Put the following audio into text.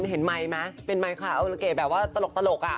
เห็นไมค์ไหมเป็นไมข่าวก๋อยเดี๋ยวเป็นไมค์แขาวแบบว่าตลกกะ